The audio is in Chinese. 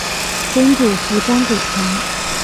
曾祖父张谷成。